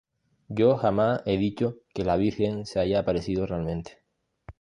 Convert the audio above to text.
Yo jamás he dicho que la Virgen se haya aparecido realmente.